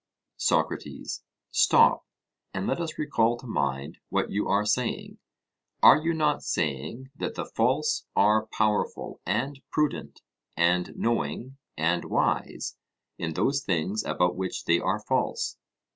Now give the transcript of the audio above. SOCRATES: Stop, and let us recall to mind what you are saying; are you not saying that the false are powerful and prudent and knowing and wise in those things about which they are false?